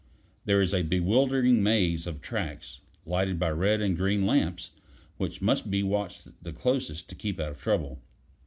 There is a bewildering maze of tracks, lighted by red and green lamps, which must be watched the closest to keep out of trouble.